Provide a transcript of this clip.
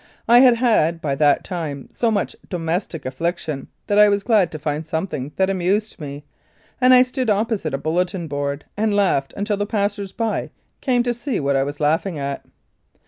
I had had by that time so much domestic affliction that I was glad to find something that amused me, and I stood opposite a bulletin board and laughed until the passers by came to see what I was laughing at